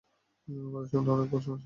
আমাদের সামনে অনেক প্রশ্ন আছে।